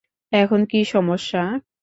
এখন কী সমস্যা?